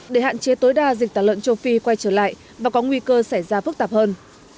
để hạn chế tối đa dịch tả lợn châu phi quay trở lại và có nguy cơ xảy ra phức tạp hơn